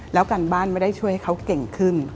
แล้วการบ้านไม่ได้ช่วยให้เขาเก่งขึ้น